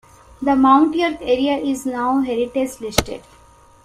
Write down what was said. The Mount York area is now heritage-listed.